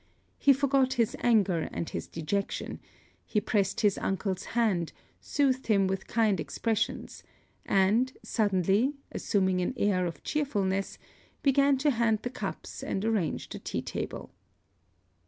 He forgot his anger and his dejection; he pressed his uncle's hand; soothed him with kind expressions: and, suddenly assuming an air of cheerfulness, began to hand the cups and arrange the tea table.